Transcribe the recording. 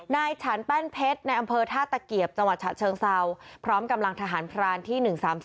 ฉันแป้นเพชรในอำเภอท่าตะเกียบจังหวัดฉะเชิงเซาพร้อมกำลังทหารพรานที่๑๓๔